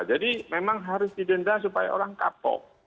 jadi memang harus didenda supaya orang kapok